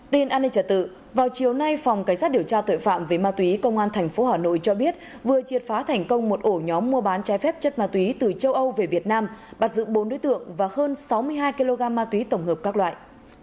tin an ninh trả tự vào chiều nay phòng cảnh sát điều tra tội phạm về ma túy công an tp hà nội cho biết vừa triệt phá thành công một ổ nhóm mua bán trái phép chất ma túy từ châu âu về việt nam bắt giữ bốn đối tượng và hơn sáu mươi hai kg ma túy tổng hợp các loại